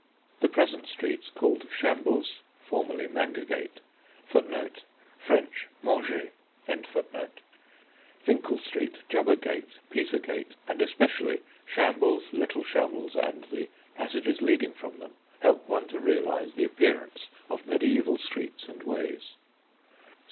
The present streets called Shambles (formerly Mangergate), Finkle Street, Jubbergate, Petergate, and especially Shambles, Little Shambles, and the passages leading from them, help one to realise the appearance of mediæval streets and ways.